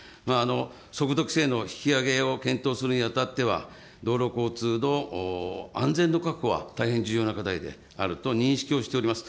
速度規制の引き上げを検討するにあたっては、道路交通の安全の確保は大変重要な課題であると認識をしております。